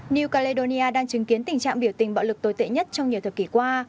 new caledonia đang chứng kiến tình trạng biểu tình bạo lực tồi tệ nhất trong nhiều thời kỳ qua